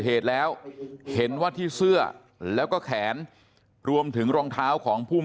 เหตุแล้วเห็นว่าที่เสื้อแล้วก็แขนรวมถึงรองเท้าของภูมิ